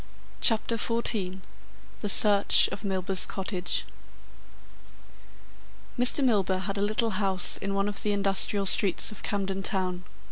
CHAPTER XIV THE SEARCH OF MILBURGH'S COTTAGE Mr. Milburgh had a little house in one of the industrial streets of Camden Town.